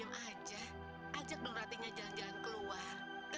saya tidak mau ibu tolong aku